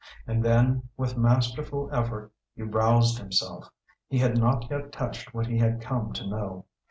And then, with masterful effort, he roused himself. He had not yet touched what he had come to know.